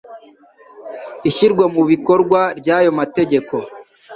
ishyirwa mu bikorwa rya ayo mategeko